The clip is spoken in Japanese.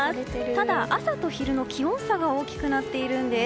ただ、朝と昼の気温差が大きくなっているんです。